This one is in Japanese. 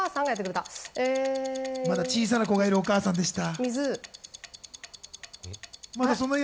まだ小さな子がいるお母さんでした。